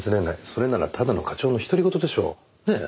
それならただの課長の独り言でしょう。ねえ？